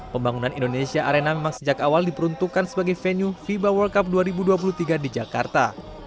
pembangunan indonesia arena memang sejak awal diperuntukkan sebagai venue fiba world cup dua ribu dua puluh tiga di jakarta